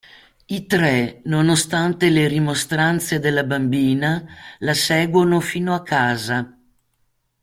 I tre, nonostante le rimostranze della bambina, la seguono fino a casa.